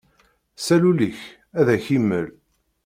Sal ul-ik, ad ak-imel!